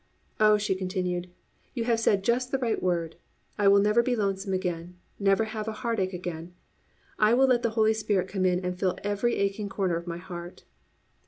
Oh," she continued, "you have said just the right word! I will never be lonesome again, never have a heartache again. I will let the Holy Spirit come in and fill every aching corner of my heart."